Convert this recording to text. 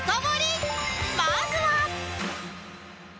まずは